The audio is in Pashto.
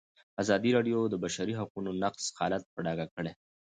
ازادي راډیو د د بشري حقونو نقض حالت په ډاګه کړی.